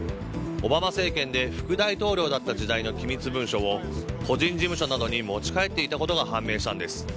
オバマ政権で副大統領だった時代の機密文書を個人事務所などに持ち帰っていたことが判明したんです。